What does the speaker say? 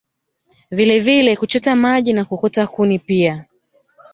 Vilevile kuchota maji na kuokota kuni pia